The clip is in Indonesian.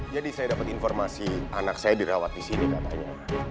jadi saya dapat informasi anak saya dirawat di sini katanya